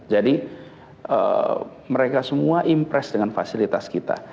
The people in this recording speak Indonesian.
jadi mereka semua tergantung dengan fasilitas kita